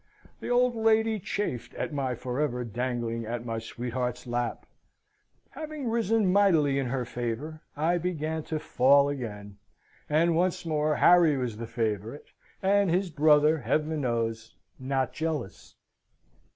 The old lady chafed at my for ever dangling at my sweetheart's lap. Having risen mightily in her favour, I began to fall again: and once more Harry was the favourite, and his brother, Heaven knows, not jealous.